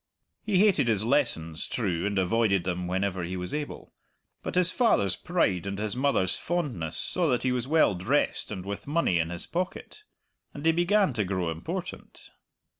He hated his lessons, true, and avoided them whenever he was able. But his father's pride and his mother's fondness saw that he was well dressed and with money in his pocket; and he began to grow important.